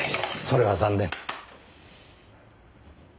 それは残念。